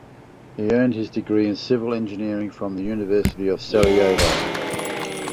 He earned his degree in civil engineering from the University of Sarajevo.